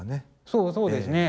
そうそうですね。